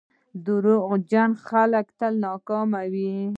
• دروغجن خلک تل ناکام وي.